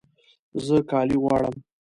زه کالي غواړم